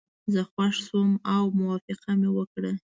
زه خوښ شوم او موافقه مې وکړه.